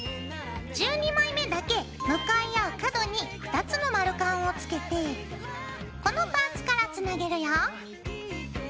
１２枚目だけ向かい合う角に２つの丸カンをつけてこのパーツからつなげるよ。